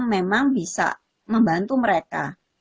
memang bisa membantu mereka